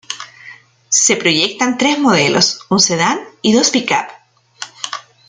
Se proyectan tres modelos: un sedán y dos pick-up.